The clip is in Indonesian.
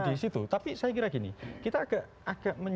di situ tapi saya kira gini kita agak